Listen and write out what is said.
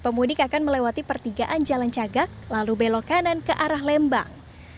pemudik akan melewati pertigaan jalan cagak lalu belok kanan ke arah lembang